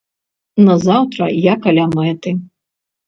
Назаўтра я каля мэты.